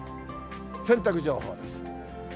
洗濯情報です。